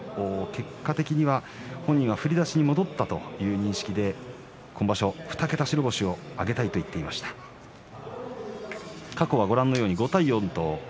結果的に本人は振り出しに戻ったという認識で２桁白星を挙げたいと言っていました、若隆景です。